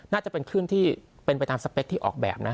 น่าจะเป็นคลื่นที่เป็นไปตามสเปคที่ออกแบบนะ